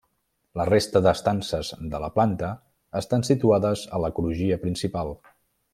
La resta d'estances de la planta estan situades a la crugia principal.